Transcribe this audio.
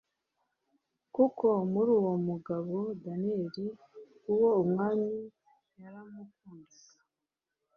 kuko muri uwo mugabo Daniyeli uwo umwami yaramukundaga